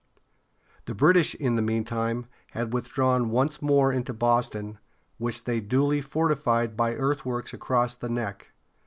The British, in the meantime, had withdrawn once more into Boston, which they duly fortified by earthworks across the Neck.